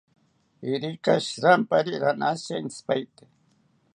Irika shirampari ranashita intzipaete